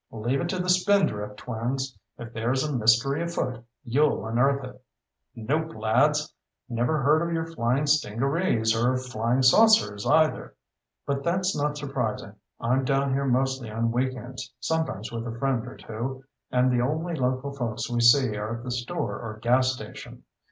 "Leave it to the Spindrift twins! If there's a mystery afoot, you'll unearth it. Nope, lads. Never heard of your flying stingarees, or flying saucers, either. But that's not surprising. I'm down here mostly on weekends, sometimes with a friend or two, and the only local folks we see are at the store or gas station.